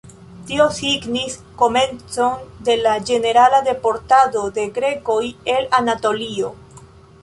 Tio signis komencon de la ĝenerala deportado de grekoj el Anatolio.